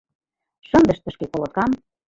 Шындышт тышке колоткам